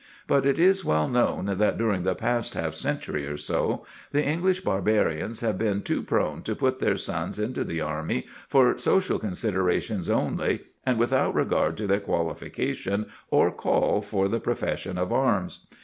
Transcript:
But it is well known that, during the past half century or so, the English Barbarians have been too prone to put their sons into the army for social considerations only, and without regard to their qualification or call for the profession of arms.